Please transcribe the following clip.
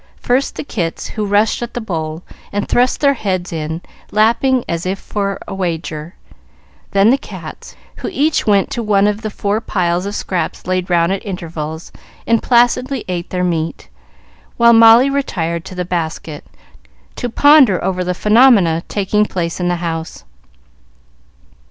First the kits, who rushed at the bowl and thrust their heads in, lapping as if for a wager; then the cats, who each went to one of the four piles of scraps laid round at intervals and placidly ate their meat; while Molly retired to the basket, to ponder over the phenomena taking place in the house.